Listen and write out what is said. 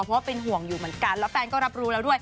เพราะว่าเป็นห่วงอยู่เหมือนกันแล้วแฟนก็รับรู้แล้วด้วย